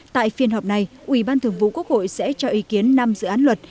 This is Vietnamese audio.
tại phiên họp này ủy ban thường vụ quốc hội sẽ cho ý kiến năm dự án luật